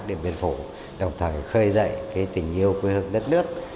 điện biên phủ đồng thời khơi dậy tình yêu quê hương đất nước